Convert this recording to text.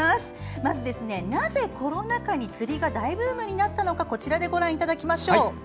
まず、なぜコロナ禍に釣りが大ブームになったのかこちらでご覧いただきましょう。